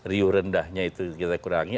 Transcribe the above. riuh rendahnya itu kita kurangi